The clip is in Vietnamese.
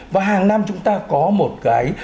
và hàng năm chúng ta có một cái